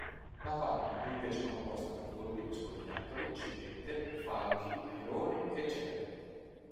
La fauna è invece composta da Volpi, scoiattoli, civette, falchi, aironi e cervi.